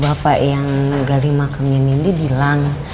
bapak bapak yang gali makam menendi bilang